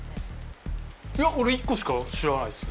いや俺１個しか知らないっす。